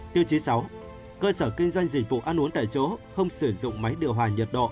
tiêu chí sáu cơ sở kinh doanh dịch vụ ăn uống tại chỗ không sử dụng máy điều hòa nhiệt độ